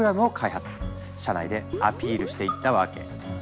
社内でアピールしていったわけ。